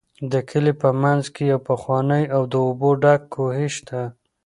د کلي په منځ کې یو پخوانی او د اوبو ډک کوهی شته.